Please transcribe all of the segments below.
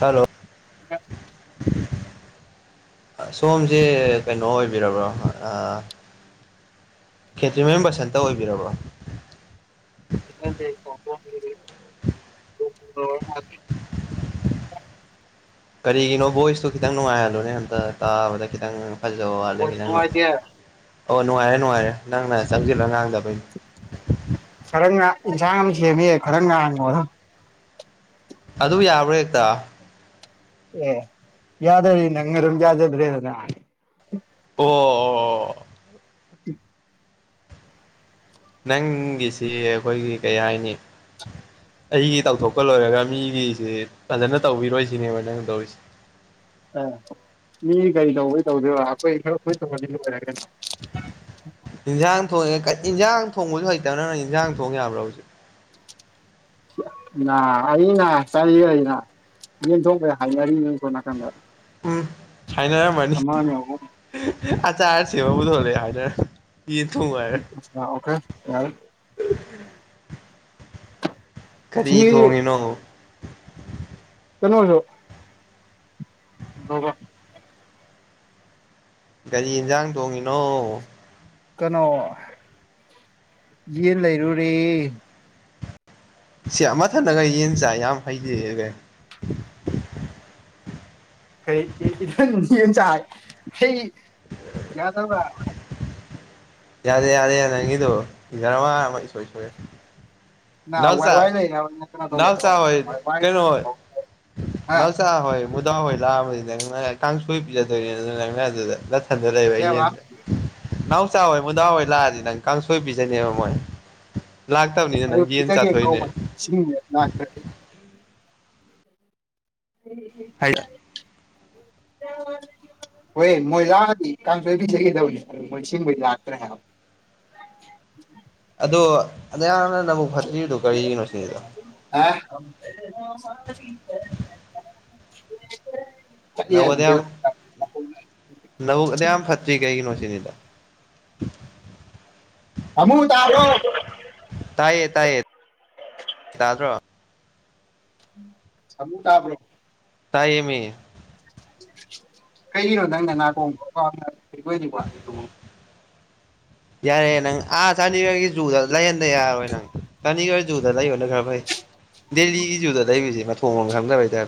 hello ꯑ ꯁꯣꯝꯁꯦ ꯀꯩꯅꯣ ꯑꯣꯏꯕꯤꯔꯕ꯭ꯔꯣ ꯈꯦꯇ꯭ꯔꯤꯃꯦꯝꯕꯔ ꯁꯦꯟꯇꯔ ꯑꯣꯏꯕꯤꯔꯕ꯭ꯔꯥ ꯄꯁꯇ ꯂ ꯀꯔꯤꯒꯤꯅꯣ ꯣꯣꯏꯁꯁꯨ ꯈꯤꯇꯪ ꯅꯨꯡꯉꯥꯏꯍꯜꯂꯣꯅꯦ ꯑ ꯇꯥꯕꯗ ꯈꯤꯇꯪ ꯐꯖꯕ ꯋꯥꯂ ꯈꯤ ꯅꯪ ꯑꯣ ꯅꯨꯡꯉꯥꯏꯔꯦ ꯅꯨꯡꯉꯥꯏꯔꯦ ꯅꯪꯅ ꯆꯪꯁꯤꯜꯂꯣ ꯉꯥꯡꯗꯕ ꯈꯔ ꯉ ꯏꯟꯁꯥꯡ ꯑꯃ ꯁꯦꯝꯃꯦ ꯈꯔ ꯉꯉꯗ ꯑꯗꯨ ꯌꯥꯕ꯭ꯔꯥ ꯍꯦꯛꯇ ꯑꯦ ꯌꯥꯗꯔꯤ ꯅꯔꯝ ꯌꯥꯗ ꯑꯗꯨꯗꯅ ꯑꯣ ꯑꯣ ꯑ ꯅꯪꯒꯤꯁꯤ ꯑꯩꯈꯣꯏꯒꯤ ꯀꯩ ꯍꯥꯏꯅꯤ ꯑꯩꯒꯤ ꯇꯧꯊꯣꯛꯄ ꯂꯣꯏꯔꯒ ꯃꯤꯒꯤꯁꯤꯦ ꯐꯖꯅ ꯇꯧꯕꯤꯔꯣꯏꯁꯤꯅꯦꯕ ꯅꯪ ꯇꯧꯔꯤꯁꯦ ꯑ ꯃꯤ ꯀꯔꯤ ꯇꯧꯕꯒꯤ ꯇꯧꯗꯣꯏꯔ ꯑꯩꯈꯣꯏ ꯈꯔ ꯑꯩꯣꯏ ꯇꯧꯔꯅꯤ ꯂꯣꯏꯔꯒꯅ ꯏꯟꯁꯥꯡ ꯊꯣꯡꯉꯦ ꯏꯟꯁꯥꯡ ꯊꯣꯡꯕꯁꯨ ꯍꯩꯇꯕ ꯅꯪ ꯅꯪ ꯏꯟꯁꯥꯡ ꯊꯣꯡ ꯌꯥꯕ꯭ꯔꯥ ꯍꯧꯖꯤꯛ ꯑꯅꯥ ꯆꯔꯤ ꯑꯅ ꯌꯦꯡ ꯊꯣꯡꯈꯩ ꯍꯥꯏꯅꯔꯤ ꯌꯦꯡ ꯊꯣꯡ ꯅꯥꯀꯟꯗ ꯍꯥꯏꯅꯔꯝꯃꯅꯤ ꯑꯃꯅꯦ ꯑꯍꯨꯝ ꯑꯆꯥꯔ ꯁꯦꯝꯃ ꯄꯨꯊꯣꯂꯛꯑꯦ ꯍꯥꯏꯅꯔꯝ ꯑꯣꯀꯦ ꯌꯥꯏ ꯀꯔꯤ ꯊꯣꯡꯉꯤꯅꯣꯣ ꯀꯩꯅꯣꯁꯨꯣ ꯍꯕ ꯒꯥꯔꯤ ꯌꯦꯟꯁꯥꯡ ꯊꯣꯡꯉꯤꯅꯣ ꯀꯩꯅꯣ ꯌꯦꯟ ꯂꯩꯔꯨꯔꯦ ꯁꯤ ꯑꯃꯊꯗꯒ ꯌꯦꯟ ꯆꯥꯏ ꯌꯥꯝ ꯍꯩꯖꯩꯕ ꯀꯩ ꯏ ꯆꯥ ꯌꯥꯗꯕ ꯌꯥꯔꯦ ꯌꯥꯔꯦ ꯅꯪꯗꯨ ꯏꯖꯔꯃ ꯃꯩꯁꯨꯣꯣꯏꯁꯨꯦ ꯅꯜꯁꯥ ꯇꯧꯒꯦ ꯅꯎꯁꯥ ꯇꯧꯔꯝ ꯍꯣꯏ ꯋꯥꯏ ꯀꯩꯅꯣ ꯑꯣꯏꯣꯏ ꯅꯎꯁꯥ ꯍꯣꯏ ꯃꯨꯗꯥ ꯍꯣꯏ ꯂꯥꯛꯑꯃꯅꯤ ꯅꯪꯅ ꯀꯥꯡꯁꯨꯣꯏ ꯄꯤꯖꯗꯣꯏꯅꯤ ꯅ ꯑꯗꯨꯗ ꯂꯩꯕ ꯏ ꯀꯩꯕ ꯌꯦꯁ ꯅꯥꯍꯎꯆꯥꯥ ꯍꯣꯏ ꯃꯨꯗꯥ ꯍꯣꯏ ꯂꯥꯛꯑꯗꯤ ꯅꯪ ꯀꯥꯡꯁꯣꯏꯕꯤꯖꯅꯦꯕ ꯃꯣꯏ ꯂꯥꯛꯇꯕꯅꯤꯅ ꯅꯪ ꯌꯦꯟ ꯖꯒꯦ ꯉꯧ ꯃ ꯆꯥꯊꯣꯛꯏꯅꯦ ꯁꯤꯡꯅꯦꯅꯥ [unintelligible] ꯍꯣꯏ ꯃꯣꯏ ꯂꯥꯛꯑꯗꯤ ꯀꯥꯡꯁꯣꯏꯕꯤ ꯆꯒꯗꯧꯅꯤ ꯃꯣꯏ ꯁꯤꯁꯤꯡꯕꯩ ꯂꯥꯛꯇ꯭ꯔꯦ ꯍꯥꯏꯕ ꯑꯗꯣ ꯑꯍꯅ ꯅꯕꯨꯛ ꯐꯠꯇ꯭ꯔꯤꯗꯣ ꯀꯔꯤꯒꯤꯅꯣ ꯁꯤꯗ [unintelligible] ꯅꯧꯗ ꯌꯥꯝ ꯆꯠꯂꯦ ꯅꯧꯗ ꯌꯥꯝ ꯐꯠꯇꯔꯤ ꯀꯩꯒꯤꯅꯣꯁꯤꯅꯤꯗ [unintelligible] ꯍꯃꯨ ꯇꯗꯣ ꯇꯥꯏꯌꯦ ꯇꯥꯏꯌꯦ ꯇꯥꯗ꯭ꯔꯣ ꯁ ꯇꯥꯕ꯭ꯔꯣ ꯇꯥꯏꯌꯦ ꯃꯤ ꯀꯩꯒꯤꯅꯣ ꯅꯪꯅ ꯅꯥꯀꯣꯡꯕꯗꯤ ꯌꯥꯔꯦ ꯅꯪ ꯑꯥ ꯆꯅꯤꯒꯣꯏꯒꯤ ꯖꯨꯗ ꯂꯩꯍꯟꯕ ꯌꯥꯔꯣꯏ ꯅꯪ ꯆꯅꯤꯒꯣꯏ ꯖꯨꯗ ꯂꯩꯔ ꯊ ꯈꯩ ꯗꯦꯜꯂꯤꯒꯤꯖꯤꯨꯗꯗꯥꯏ ꯖꯤꯦꯃ ꯊꯣꯡꯈ ꯇꯕ ꯗ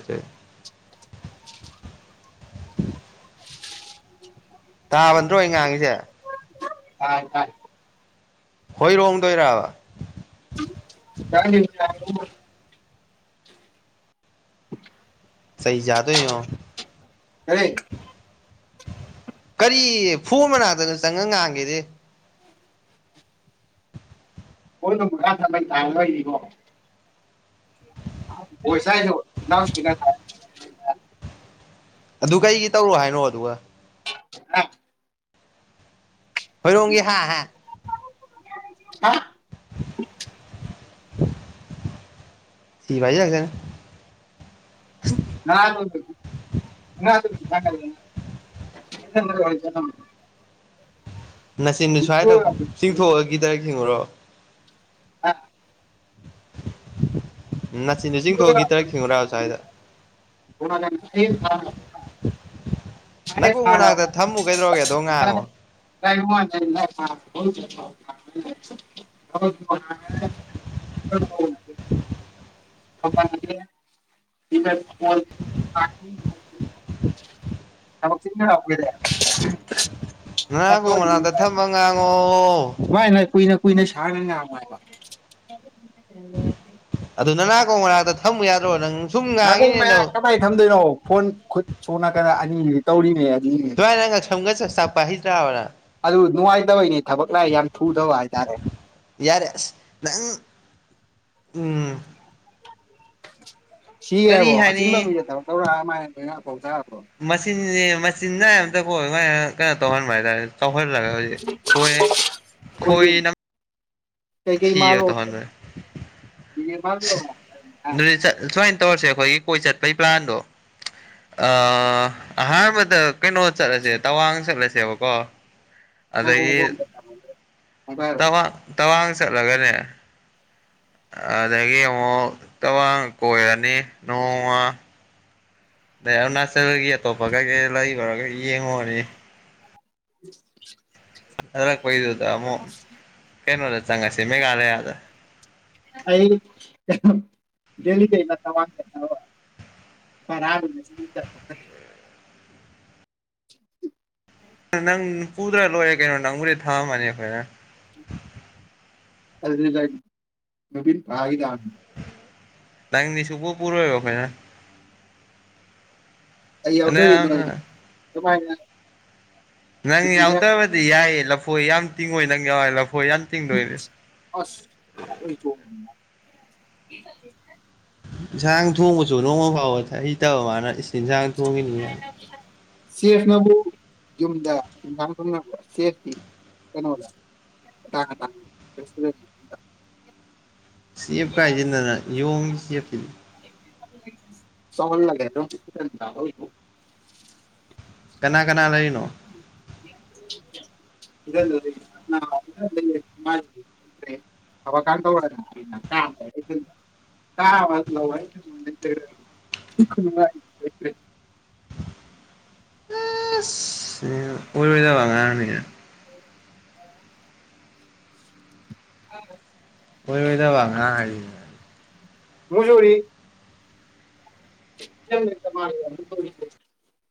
ꯎꯝ ꯇꯥꯕꯟꯗ꯭ꯔꯣ ꯑꯩ ꯉꯥꯡꯉꯤꯁꯦ ꯀꯥꯏ ꯀꯥꯏ ꯍꯣꯏꯔꯣꯡꯗꯣꯏꯔꯕ ꯀꯔꯤ [unintelligible] [unintelligible] ꯁꯩ ꯌꯥꯥꯗꯣ ꯑꯔ ꯀꯔꯤ ꯐꯨ ꯃꯅꯥꯛꯇꯅꯣ ꯆꯪꯉ ꯉꯥꯡꯒꯦꯗꯤ ꯍꯣꯏ ꯅ ꯔꯥ ꯊ ꯇꯥ ꯂꯣꯏꯅꯤꯕꯣ ꯣꯁꯥꯏꯗ ꯂꯒꯥꯏ ꯊ ꯑꯗꯨ ꯀꯩꯒꯤ ꯇꯧꯔꯣ ꯍꯥꯏꯅꯣ ꯑꯗꯨꯒ ꯑ ꯍꯣꯏꯔꯣꯡꯒꯤ ꯍꯥ ꯍꯥ [unintelligible] ꯁꯤꯕꯥꯏ ꯂꯗꯅ ꯅꯅ ꯉꯦ ꯊ ꯅꯥꯆꯤꯟꯗꯨ ꯁ꯭ꯋꯥꯏꯗ [unintelligible] ꯑ ꯅꯥꯆꯤꯟꯗꯨ ꯆꯤꯡꯊꯣꯛꯑꯒ ꯒꯤꯇꯔ ꯈꯤꯡꯉꯨꯔꯥꯊꯦ ꯁ꯭ꯋꯥꯏꯗ [unintelligible] ꯅꯥꯀꯣꯡ ꯃꯅꯥꯛꯇ ꯊꯝꯃꯨ ꯀꯩꯗꯧꯔꯒꯦ ꯑꯗꯣ ꯉꯥꯡꯉꯣ [unintelligible] [unintelligible] [unintelligible] [unintelligible] [unintelligible] [unintelligible] ꯀꯨꯏꯅ ꯅꯥꯀꯣꯡ ꯃꯅꯥꯛꯇ ꯊꯝꯃ ꯉꯥꯡꯉꯣ ꯁꯥꯡꯅ ꯉꯥꯡꯉꯣ ꯍꯥꯏꯕ [unintelligible] ꯃꯅꯥꯛꯇ ꯊꯝꯃꯨ ꯌꯥꯗ꯭ꯔꯣ ꯅꯪ ꯁꯨꯝ ꯅꯥꯀꯣꯡ ꯉꯥꯡꯉꯤꯅꯦ ꯃꯌꯥ ꯅꯪ ꯀꯃꯥꯏꯅ ꯊꯝꯗꯣꯏꯅꯣ ꯐꯣꯟ ꯈꯨꯠꯁꯨ ꯅꯠꯇꯅ ꯑꯅꯤꯗꯤ ꯇꯧꯔꯤꯅꯦ ꯑꯅꯤꯅꯦ [unintelligible] ꯑꯗꯨ ꯅꯨꯡꯉꯥꯏꯇꯕꯩꯅꯦ ꯊꯕꯛ ꯂꯥ ꯌꯥꯝ ꯊꯨꯗꯕ ꯍꯥꯏꯇꯥꯔꯦ ꯌꯥꯔꯦ ꯑꯁ ꯅꯪ ꯎꯝ ꯀꯔꯤ ꯁꯤꯌꯦꯕꯣ ꯍꯥꯏꯅꯤ ꯑꯆꯤꯟꯕ ꯃꯤ [unintelligible] ꯃꯆꯤꯟꯅꯤ ꯃꯆꯤꯟꯅꯥ ꯑꯝꯇ ꯀꯣ [unintelligible] [unintelligible] ꯑꯩꯈꯣꯏꯗꯤ [unintelligible] [unintelligible] [unintelligible] [unintelligible] [unintelligible] ꯀꯩꯀꯩ ꯃꯥꯜꯂꯣ ꯃꯥꯜꯂꯨꯔꯣ ꯑꯩꯈꯣꯏꯒꯤ ꯀꯣꯏ ꯆꯠꯄꯩ ꯄ꯭ꯂꯥꯟꯗꯣ ꯑ ꯑꯍꯥꯟꯕꯗ ꯀꯩꯅꯣ ꯆꯠꯂꯁꯦ ꯇꯋꯥꯡ ꯆꯠꯂꯁꯦꯕꯀꯣ ꯉꯥꯏꯒꯣꯡ ꯑꯗꯒꯤ ꯒꯣꯡꯗ ꯍꯥꯏꯔꯣ ꯇꯋꯥꯡ ꯆꯠꯂꯒꯅꯦ ꯑꯗꯒꯤ ꯑꯃꯨꯛ ꯇꯕꯡ ꯀꯣꯏꯔꯅꯤ ꯅꯣꯡꯃ ꯑꯩ ꯅꯥꯆꯜꯒꯤ ꯑꯇꯣꯞꯄ ꯀꯩꯀꯩ ꯂꯩꯈ꯭ꯔꯥꯒ ꯌꯦꯡꯉꯣꯅꯦ ꯎ ꯑꯗꯣꯏꯗꯨ ꯇ ꯑꯃ ꯀꯩꯅꯅꯗ ꯆꯪꯉꯁꯤ ꯃꯒꯂꯦ ꯌꯥꯗ ꯑꯩ ꯗꯦ ꯇ ꯐꯔꯔ ꯅꯪ ꯀꯨꯗ ꯂꯔ ꯀꯩꯅꯣꯔꯤ ꯊꯥꯅꯤ ꯐꯅꯦ ꯄꯤ ꯇꯅꯤꯁꯨꯕꯨ ꯄꯨꯔꯣ ꯑꯣꯏꯕꯈꯩꯅꯅ ꯑꯩ ꯌꯥꯎꯗꯣꯛꯏ ꯅꯣꯏ ꯀꯃꯥꯏꯅ ꯅꯪ ꯅꯨꯄꯤꯒ ꯌꯥꯎꯗꯕꯗꯤ ꯌꯥꯏꯌꯦ ꯂꯐꯣꯏ ꯌꯥꯝ ꯇꯤꯡꯉꯣꯏ ꯅꯪ ꯌꯥꯎꯋꯦ ꯂꯐ ꯑꯁ ꯏꯟꯁꯥꯡ ꯊꯣꯡꯕꯁꯨ ꯅꯣꯡꯃ ꯐꯥꯎꯕꯗ ꯍꯩꯇꯕ ꯃꯥꯅ ꯏꯟꯁꯥꯡ ꯊꯣꯡꯉꯤꯅꯤ ꯌꯥ ꯁꯦꯐꯅꯕꯨ ꯌꯨꯝꯗ ꯏꯟꯁꯥꯡ ꯊꯅꯕ ꯁꯦꯐꯇꯤ ꯀꯩꯅꯣꯗ [unintelligible] ꯁꯤꯞ ꯀꯥꯏꯁꯤꯗꯅ ꯌꯣꯡꯒꯤ ꯁꯤꯞꯇ ꯁꯥꯎꯟ ꯂꯒ ꯀꯅꯥ ꯀꯅꯥ ꯂꯩꯔꯤꯅꯣ [unintelligible] ꯦꯕ ꯀꯥꯟ ꯇ ꯀꯥ ꯋꯥꯂ ꯋꯥ ꯑꯣꯏꯗ ꯋꯥꯉꯅꯤ ꯎ ꯑꯣꯏꯕꯤꯗ ꯋꯥꯉ ꯃꯁꯔꯤ ꯀ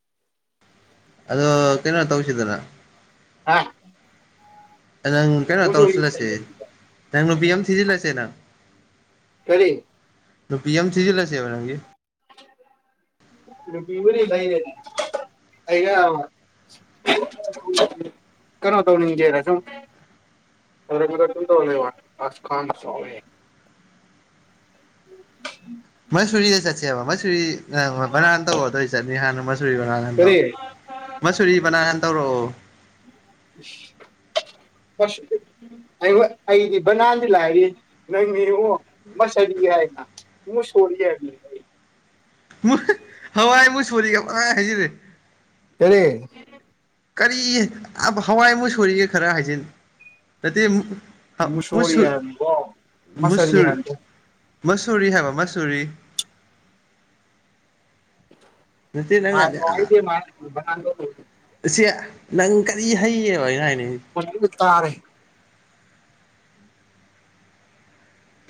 ꯑꯗ ꯀꯩꯅ ꯇꯧꯁꯤꯗꯅ ꯍꯥ ꯅꯪ ꯀꯩꯅꯣ ꯃꯨꯖꯨꯔꯤ ꯇꯧꯁꯤꯜꯂꯁꯦ ꯅꯪ ꯅꯨꯄꯤ ꯑꯃ ꯊꯤꯖꯤꯜꯂꯁꯦ ꯅꯪ ꯀꯔꯤ ꯄꯤꯑꯦꯝ ꯁꯤꯁꯨ ꯂꯁꯤ ꯃꯔꯔ ꯔꯨꯄꯤꯕꯨꯅꯤ ꯂꯩꯔꯦ ꯑꯩꯅ ꯀꯩꯅꯣ ꯇꯧꯅꯤꯖꯔꯁꯣ ꯑꯁ ꯈ ꯁ [unintelligible] ꯃꯣꯏ ꯁꯨꯔꯔꯤꯗ ꯆꯠꯁꯤꯦꯕ ꯃꯣꯏ ꯁꯨꯔꯔꯤ ꯅꯪ ꯍꯣꯏ ꯕꯅꯥꯥꯟ ꯇꯧꯔ ꯑꯗꯨꯏ ꯆꯠꯅꯤ ꯍꯥꯟꯅ ꯃꯆꯨꯔꯤ ꯕꯅꯥꯗꯣ ꯀꯔꯤ ꯃꯁꯨꯔꯤ ꯅꯥ ꯀꯥꯟ ꯇꯧꯔꯛꯑꯣ [unintelligible] ꯑꯩ ꯑꯩꯗꯤ ꯕꯅꯥꯜꯗꯤ ꯂꯥꯛꯔꯤ ꯅꯪꯅꯦꯉꯣ ꯃꯁꯗꯤ ꯌꯥꯑꯒ ꯃꯨ ꯁꯣꯔꯤ ꯍꯋꯥꯏ ꯃꯨ ꯁꯣꯔꯤꯒꯥꯏ ꯍꯥꯏꯖꯔꯦ ꯀꯔꯤ ꯀꯔꯤ ꯍꯋꯥꯏꯃꯨꯛ ꯁꯣꯔꯤꯒꯦ ꯈꯔ ꯍꯥꯏꯖꯤꯟ ꯅꯠꯇꯦ ꯃꯨꯁꯣꯔꯤ ꯃꯨꯁꯨ ꯍꯥꯏꯕꯅꯤꯀꯣ ꯃꯁꯔꯤ ꯃꯨꯁꯨꯨꯔ ꯍꯥꯏꯕꯅꯦ ꯃꯁꯔꯤ ꯍꯥꯏꯕ ꯃꯁꯔꯤ ꯍꯥꯏꯗ ꯃꯥꯗ ꯑꯁꯤ ꯅꯪ ꯀꯔꯤ ꯍꯩꯌꯦ ꯍꯥꯏ ꯍꯥꯏꯥꯏ [unintelligible]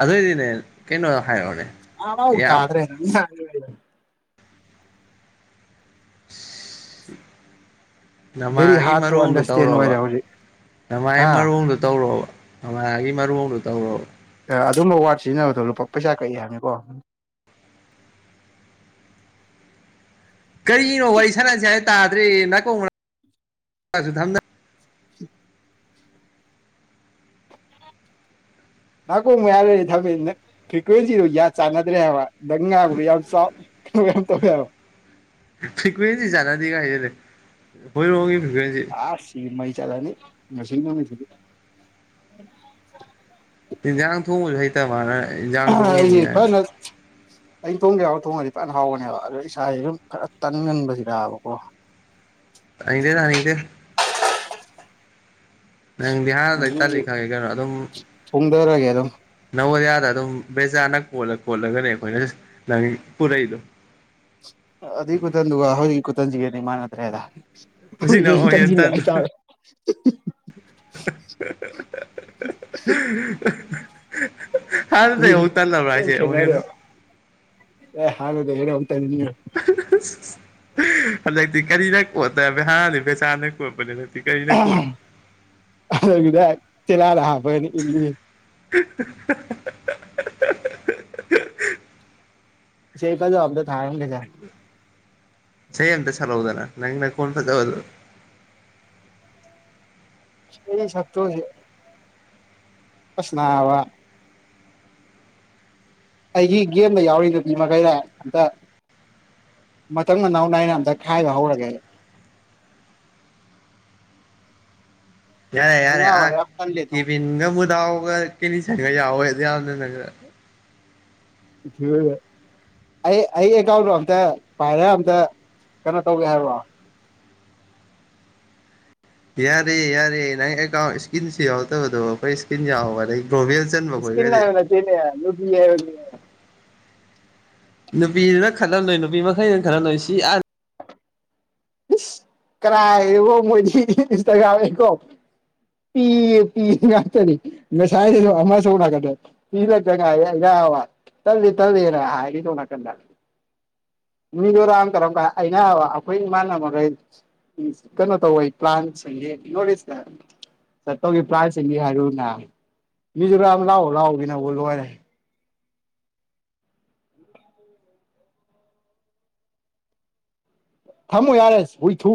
ꯑꯗꯨꯏꯗꯤꯅꯦ ꯀꯩꯅꯣ ꯍꯥꯏꯔꯣꯅꯦ ꯑ [unintelligible] ꯇꯥꯗ꯭ꯔꯦ [unintelligible] ꯚꯦꯔꯤ [unintelligible] ꯍꯥꯔꯠ ꯇꯨ ꯑꯟꯗꯔꯁꯇꯦꯟ ꯑꯣꯏꯔꯦ ꯍꯧꯖꯤꯛ ꯍꯥ [unintelligible] [unintelligible] ꯑꯗꯨꯝꯕ ꯋꯥꯔꯗ ꯁꯤꯖꯤꯟꯅꯕꯗꯣ ꯂꯨꯄꯥ ꯄꯩꯁꯥ ꯀꯛꯏ ꯍꯥꯏꯕꯅꯤꯀꯣ ꯀꯔꯤꯅꯣ ꯋꯥꯔꯤ ꯁꯅꯥꯁꯦ ꯍꯥꯏ ꯇꯥꯗ꯭ꯔꯤ ꯅꯥꯀꯣꯡ [unintelligible] ꯅꯥꯀꯣꯡ ꯃꯌꯥꯗꯅꯦ ꯊꯝꯃꯦ ꯅꯪ ꯐ꯭ꯔꯤꯀ꯭ꯋꯦꯟꯁꯤꯗꯨ ꯌꯥ ꯆꯥꯟꯅꯗ꯭ꯔꯦ ꯍꯥꯏꯕ ꯅꯪ ꯉꯥꯡꯕꯗꯨ ꯌꯥꯝ ꯆꯥꯎ [unintelligible] [unintelligible] ꯑꯥ ꯁꯤꯗꯤ ꯃꯩ ꯆꯠꯂꯅꯤ ꯉꯁꯤꯒꯤ ꯅꯨꯃꯤꯠꯇꯗꯤ ꯏꯟꯖꯥꯡ [unintelligible] ꯊꯣꯡꯉꯤꯅꯤ [unintelligible] ꯀꯥꯏꯅ ꯑꯩꯅ ꯊꯣꯡꯒꯦ ꯌꯥꯎꯅ ꯊꯣꯡꯉꯗꯤ ꯐꯅ ꯍꯥꯎꯕꯅꯦꯕ ꯑꯗ ꯏꯁꯥꯥꯁꯦ ꯑꯗꯨꯨꯝ ꯈꯔ ꯇꯟꯒꯟꯕꯁꯤꯗꯥꯕꯀꯣ ꯇꯥꯅꯤꯡꯗꯦ ꯇꯅꯤꯡꯗꯦ ꯅꯪ ꯕꯤꯍꯥꯔꯗ ꯑꯗꯨ ꯇꯜꯂꯤ ꯈꯪꯉꯦ ꯀꯩꯅꯣ ꯑꯗꯨꯝ ꯊꯣꯡꯊꯔꯒꯦ ꯑꯗꯨꯝ ꯅꯕꯣꯗꯤꯌꯥ ꯗ ꯑꯗꯨꯝ ꯕꯦꯖꯥꯅ ꯀꯣꯜꯂ ꯀꯣꯜꯂꯒꯅꯦ ꯑꯩꯈꯣꯏꯅ ꯅꯪ ꯄꯨꯔꯛꯏꯗꯣ ꯑꯗꯨꯏ ꯈꯨꯇꯟꯗꯨꯒ ꯍꯧꯖꯤꯛꯀꯤ ꯈꯨꯇꯟꯁꯤꯒꯗꯤ ꯃꯥꯟꯅꯗ꯭ꯔꯦꯗꯥ ꯍꯧꯖꯤꯛꯅ ꯑꯃꯨꯛ ꯍꯦꯟꯅ ꯇꯟꯕ ꯍꯥꯟꯅꯗꯩ ꯑꯃꯨꯛ ꯇꯜꯂꯕ꯭ꯔꯥ ꯍꯥꯏꯁꯦ ꯑꯃꯨꯛ ꯍꯦꯟꯅ [unintelligible] [unintelligible] [unintelligible] [unintelligible] ꯀꯣꯠꯅꯤ [unintelligible] [unintelligible] [unintelligible] ꯏꯁꯩ ꯑꯃꯇ ꯁꯛꯂꯛ ꯎꯗꯅ ꯅꯪ ꯅꯈꯣꯟ ꯐꯖꯕꯗꯨ [unintelligible] ꯑꯩꯒꯤ ꯒꯦꯝꯗ ꯌꯥꯎꯔꯤꯗꯨ ꯃꯤ ꯃꯈꯩꯗ ꯑꯝꯇ ꯃꯊꯪ ꯃꯅꯥꯎ ꯅꯥꯏꯩꯅ ꯑꯝꯇ ꯈꯥꯏꯕ ꯍꯧꯔꯒꯦ [unintelligible] ꯌꯥꯔꯦ ꯑꯩ ꯌꯥꯏꯔꯦ ꯅꯥꯕ ꯑ ꯌꯥꯝ ꯇꯜꯂꯦ ꯇꯧꯔꯤ ꯀꯤꯚꯟꯒ ꯃꯗꯥꯑꯣ ꯀꯅꯤ ꯆꯪꯒ ꯌꯥꯑꯣꯗ ꯌꯥꯝꯅ ꯅ ꯊ ꯑꯩ ꯑꯩ ꯑꯦꯀꯥꯎꯟꯗꯣ ꯑꯝꯇ ꯄꯥꯏꯔ ꯑꯝꯇ ꯀꯩꯅꯣ ꯇꯧꯒꯦ ꯍꯥꯏꯔꯣ ꯌꯥꯔꯦ ꯌꯥꯔꯦ ꯅꯪ ꯏꯁꯀꯤꯟ ꯁꯤ ꯌꯥꯇ ꯀꯩ ꯏꯁꯀꯤꯟ ꯌꯥ ꯋꯥ ꯂꯩ ꯏꯁꯀꯤꯟꯅꯅ ꯇꯅꯦ ꯂ ꯅꯨꯄꯤꯗꯨꯅ ꯈꯜꯍꯜꯂꯣꯏ ꯅꯨꯄꯤ ꯃꯈꯩꯅꯩꯅ ꯈꯜꯂꯝꯝꯂꯣꯏ ꯁꯤ ꯑ ꯀꯔꯥꯏꯕꯣ ꯃꯣꯏꯗꯤꯇ ꯀꯦꯀꯣ ꯄꯤ ꯄ ꯉꯇꯅꯤ ꯃꯁꯥꯏ ꯁꯣꯅ ꯀꯗ ꯄꯤ ꯂ ꯆꯉ ꯌꯥ ꯇꯇꯔ ꯍꯥꯏꯔꯤ ꯇꯧꯅꯥ ꯀꯟꯗꯥ ꯑ ꯃꯤꯗꯔꯝ ꯇꯔꯝ ꯑꯩꯅ ꯑꯩꯈꯣꯏ ꯃꯥꯜꯅ ꯎ ꯀꯩꯅꯣ ꯇꯧꯣꯏ ꯄ꯭ꯂꯥꯟꯁ ꯌꯦꯅꯤ ꯅꯣꯁꯦ ꯆꯠꯇꯧꯒꯤ ꯄ꯭ꯔꯥꯏꯖꯁꯤꯡꯒꯤ ꯍꯥꯏꯔꯨꯅꯦ ꯃꯤꯁꯨ ꯈ ꯌꯥꯝ ꯂꯥꯛꯑꯣ ꯂꯥꯛꯑꯣꯒꯤꯅꯕꯨ ꯂꯣꯏꯔꯦ ꯊꯝꯃꯣ ꯌꯥꯔꯦꯁ ꯍꯏ ꯊꯨ